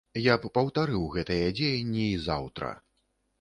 Я б паўтарыў гэтыя дзеянні і заўтра.